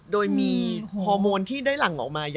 โดยมีฮอร์โมนที่ได้หลังออกมา